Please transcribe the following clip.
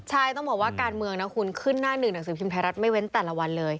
ใช่ต้องบอกว่าการเมืองนะคุณขึ้นหน้าหนึ่งหนังสือพิมพ์ไทยรัฐไม่เว้นแต่ละวันเลย